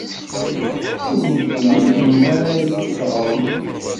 Inimt-iyi-d melmi ara iyi-d-teɣremt.